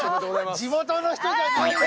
地元の人じゃないのよ。